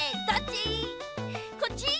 「どっち？